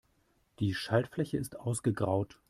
Die Schaltfläche ist ausgegraut.